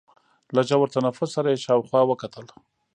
له ژور تنفس سره يې شاوخوا وکتل.